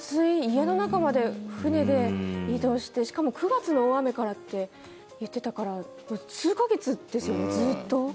家の中まで船で移動してしかも９月の大雨からって言ってたから数か月ですよね、ずっと。